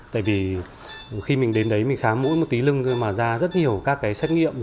tại vì khi mình đến đấy mình khám mũi một tí lưng thôi mà ra rất nhiều các cái xét nghiệm